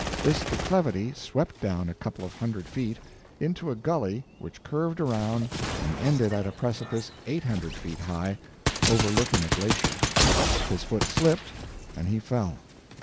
This declivity swept down a couple of hundred feet, into a gully which curved around and ended at a precipice eight hundred feet high, overlooking a glacier. His foot slipped, and he fell.